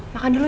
makan dulu ya